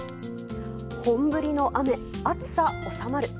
本降りの雨、暑さ収まる。